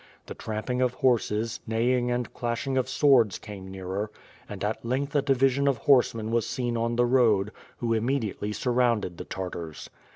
The tramping of horses, neighing and clashing of swords came nearer and at length a division of horsemen was seen on the road, who immediately sur rounded the Tartars.